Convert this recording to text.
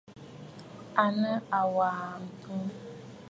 À nɨ àwa ǹtu.